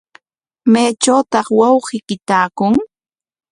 ¿Maytrawtaq wawqiyki taakun?